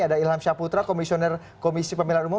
ada ilham syaputra komisioner komisi pemilihan umum